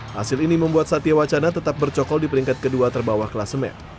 hasil ini membuat satya wacana tetap bercokol di peringkat ke dua terbawah kelas met